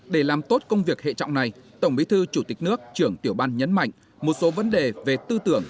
để làm tốt công việc hệ trọng này tổng bí thư chủ tịch nước trưởng tiểu ban nhấn mạnh một số vấn đề về tư tưởng